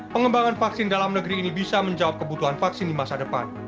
pengembangan vaksin dalam negeri ini bisa menjawab kebutuhan vaksin di masa depan